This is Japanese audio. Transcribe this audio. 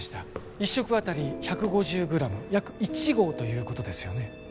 １食当たり１５０グラム約１合ということですよね？